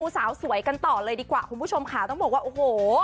สาวสวยกันต่อเลยดีกว่าคุณผู้ชมค่ะต้องบอกว่าโอ้โห